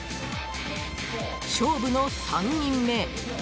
勝負の３人目。